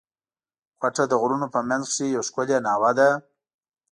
کوټه د غرونو په منځ کښي یوه ښکلې ناوه ده.